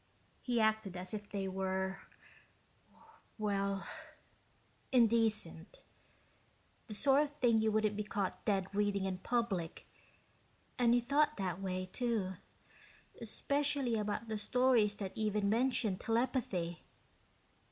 He acted as if they were ... well, indecent. The sort of thing you wouldn't be caught dead reading in public. And he thought that way, too, especially about the stories that even mentioned telepathy.